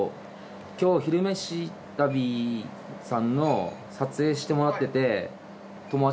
今日「昼めし旅」さんの撮影してもらってて。